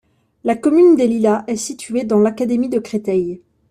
La commune des Lilas est située dans l'académie de Créteil.